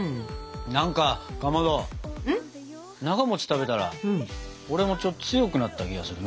なが食べたら俺もちょっと強くなった気がするな。